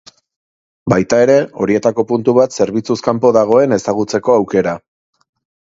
Baita ere, horietako puntu bat zerbitzuz kanpo dagoen ezagutzeko aukera.